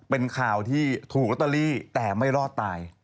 เป็นข่าวที่ถูกลอตเตอรี่แต่ไม่รอดตาย